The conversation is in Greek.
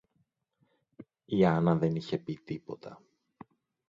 Η Άννα δεν είχε πει τίποτα